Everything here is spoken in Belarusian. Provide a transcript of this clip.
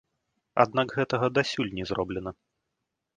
Аднак гэтага дасюль не зроблена.